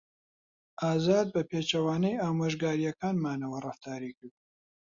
ئازاد بەپێچەوانەی ئامۆژگارییەکانمانەوە ڕەفتاری کرد.